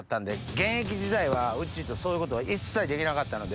現役時代はウッチーとそういうことは一切できなかったので。